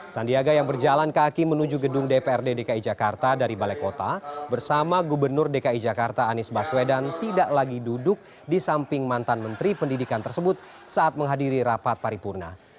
sandiaga yang berjalan kaki menuju gedung dprd dki jakarta dari balai kota bersama gubernur dki jakarta anies baswedan tidak lagi duduk di samping mantan menteri pendidikan tersebut saat menghadiri rapat paripurna